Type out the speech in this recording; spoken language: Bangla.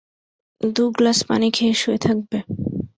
দুগ্নিাস পানি খেয়ে শুয়ে থাকবে।